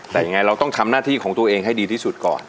แต่ยังไงเราต้องทำหน้าที่ของตัวเองให้ดีที่สุดก่อน